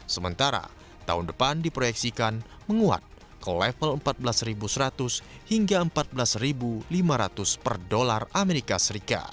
sementara tahun depan diproyeksikan menguat ke level empat belas seratus hingga empat belas lima ratus per dolar as